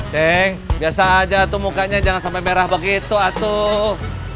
ceng biasa aja tuh mukanya jangan sampai merah begitu atuh